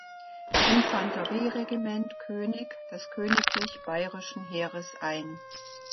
Infanterieregiment „König“ des Königlich Bayerischen Heeres ein.